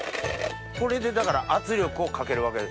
これでだから圧力をかけるわけですよね？